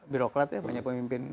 birokrat ya banyak pemimpin